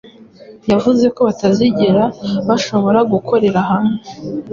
Yavuze ko batazigera bashobora gukorera hamwe.